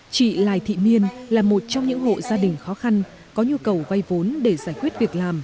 chị lài thị miên là một trong những hộ gia đình khó khăn có nhu cầu vay vốn để giải quyết việc làm